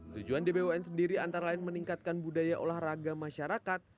tujuan dbon sendiri antara lain meningkatkan budaya olahraga masyarakat